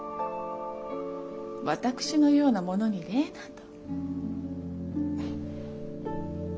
私のような者に礼など。